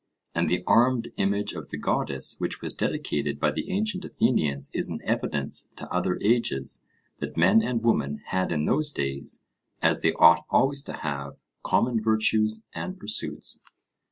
And the armed image of the goddess which was dedicated by the ancient Athenians is an evidence to other ages that men and women had in those days, as they ought always to have, common virtues and pursuits.